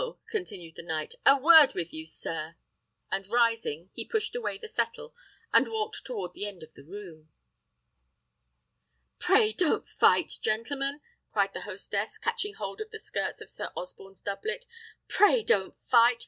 continued the knight, "a word with you, sir;" and rising, he pushed away the settle, and walked towards the end of the room. "Pray don't fight, gentlemen!" cried the hostess, catching hold of the skirt of Sir Osborne's doublet. "Pray don't fight!